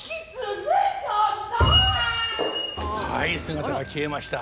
はい姿が消えました。